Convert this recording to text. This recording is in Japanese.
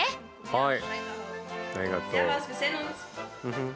はい。